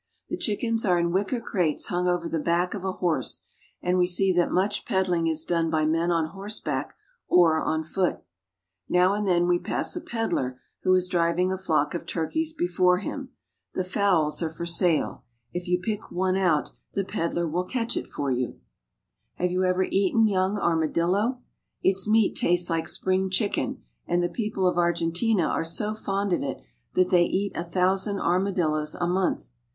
The chickens are in wicker crates hung over the back of a horse, and we see that much peddling is done by men on horseback or on foot. Now and then we pass a peddler who is driving a flock of turkeys before him. The fowls are for sale. If you pick out one the peddler will catch it for you. Chicken Peddler. BUENOS AIRES. 199 Armadillo. Have you ever eaten young armadillo ? Its meat tastes like spring chicken, and the people of Argentina are so fond of it that they eat a thousand armadillos a month.